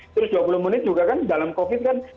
terus dua puluh menit juga kan dalam covid kan